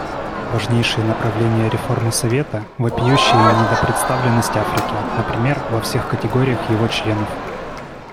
Важное направление реформы Совета — вопиющая недопредставленность Африки, например, во всех категориях его членов.